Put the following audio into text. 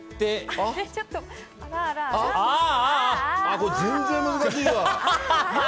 これ全然難しいわ。